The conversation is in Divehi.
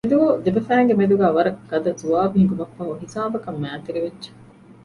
އެދުވަހު ދެބަފައިންގެ މެދުގައި ވަރަށް ގަދަ ޒުވާބު ހިނގުމަށްފަހު ހިސާބަކަށް މައިތިރިވެއްޖެ